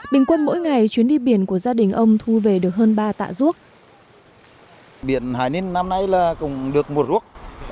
bình quân mỗi ngày chuyến đi biển của gia đình ông thu về được hơn ba tạ ruốc